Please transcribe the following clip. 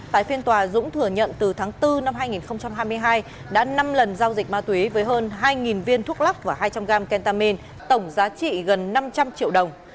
tại phiên tòa dũng thừa nhận từ tháng bốn năm hai nghìn hai mươi hai đã năm lần giao dịch ma túy với hơn hai viên thuốc lắc và hai trăm linh gram kentamin tổng giá trị gần năm trăm linh triệu đồng